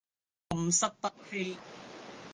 暗室不欺